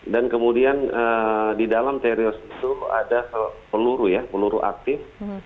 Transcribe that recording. dan kemudian di dalam terios itu ada peluru ya peluru aktif